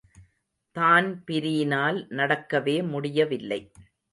தான்பிரீனால் நடக்கவே முடியவில்லை.